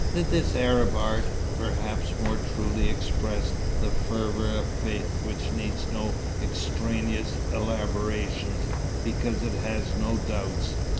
Did this Arab art perhaps more truly express the fervour of faith which needs no extraneous elaborations, because it has no doubts?